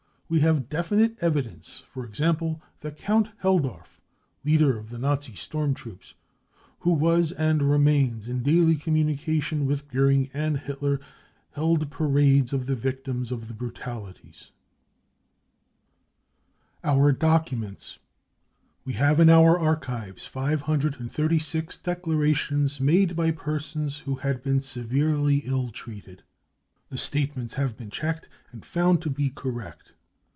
We have definite evidence, for example, that Count Helldorf, leader of the Nazi storm troops, who was and remains in daily com munication with Goering and Hitler, held parades of the victims of the brutalities. r % Our Documents. We have in our archives 536 declara^ tions made by persons who had been severely ill treated. BRUTALITY AND TORTURE 205 The statements have been checked and found to be correct.